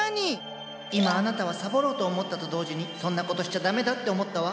今あなたはサボろうと思ったと同時にそんなことしちゃダメだって思ったわ。